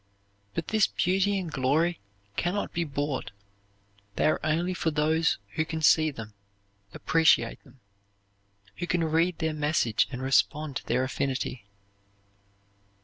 But this beauty and glory can not be bought; they are only for those who can see them, appreciate them who can read their message and respond to their affinity.